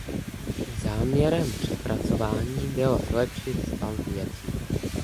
Záměrem přepracování bylo zlepšit stav věcí.